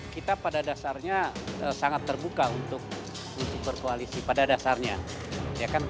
kita pada dasarnya sangat terbuka untuk berkoalisi pada dasarnya